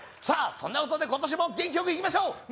さぁそんなことで今年も元気よくいきましょう。